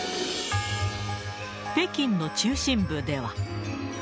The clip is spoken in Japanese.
北京の中心部では。